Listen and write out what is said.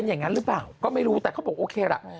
อย่างนั้นหรือเปล่าก็ไม่รู้แต่เขาบอกโอเคล่ะ